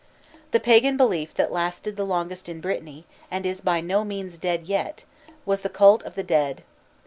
The pagan belief that lasted the longest in Brittany, and is by no means dead yet, was the cult of the dead.